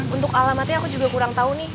untuk alamatnya aku juga kurang tahu nih